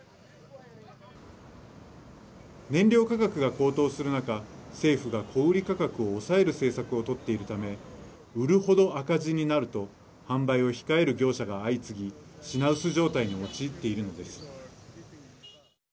燃料価格が高騰する中政府が小売価格を抑える政策を取っているため売る程赤字になると販売を控える業者が相次ぎ品薄状態に陥っているのです。